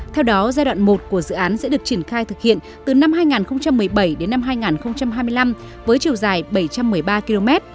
theo đó giai đoạn một của dự án sẽ được triển khai thực hiện từ năm hai nghìn một mươi bảy đến năm hai nghìn hai mươi năm với chiều dài bảy trăm một mươi ba km